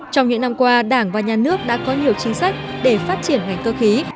trong những năm qua đảng và nhà nước đã có nhiều chính sách để phát triển ngành cơ khí